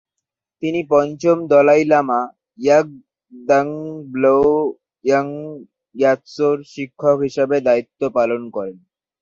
তিনি পঞ্চম দলাই লামা ঙ্গাগ-দ্বাং-ব্লো-ব্জাং-র্গ্যা-ম্ত্শোর শিক্ষক হিসেবে দায়িত্ব পালন করেন।